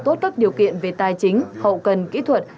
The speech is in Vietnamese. tốt các điều kiện về tài chính hậu cần kỹ thuật